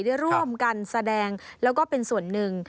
ได้ร่วมกันแสดงแล้วก็เป็นส่วนหนึ่ง